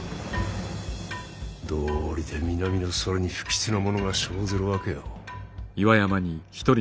どうりで南の空に不吉なものが生ずるわけよ。